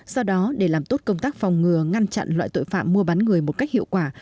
do đó để làm tốt công tác phòng ngừa ngăn chặn loại tội phạm mua bán người một cách hiệu quả